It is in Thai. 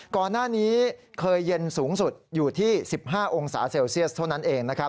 ก่อนหน้านี้เคยเย็นสูงสุดอยู่ที่๑๕องศาเซลเซียสเท่านั้นเองนะครับ